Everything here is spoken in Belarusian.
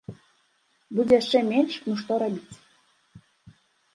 Будзе яшчэ менш, ну што рабіць.